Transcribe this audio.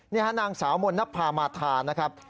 นี่ฮะนางสาวมณภามาทานนะครับ